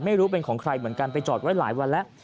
ไม่รู้เป็นของใครเหมือนกันไปจอดไว้หลายวันแล้ว